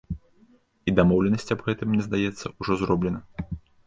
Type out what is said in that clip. І дамоўленасць аб гэтым, мне здаецца, ужо зроблена.